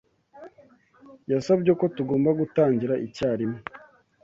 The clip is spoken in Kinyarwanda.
Yasabye ko tugomba gutangira icyarimwe